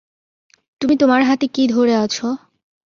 তুমি তোমার হাতে কি ধরে আছো?